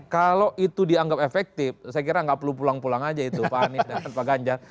kalau itu dianggap efektif saya kira nggak perlu pulang pulang aja itu pak anies dan pak ganjar